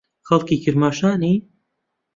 خەڵکی کرماشانی؟